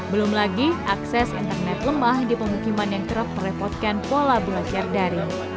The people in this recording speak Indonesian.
belum lagi akses internet lemah di pemukiman yang kerap merepotkan pola belajar daring